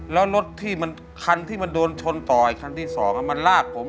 แล้วรถที่คันที่มันโดนชนต่ออีกคันที่สองมันลากผม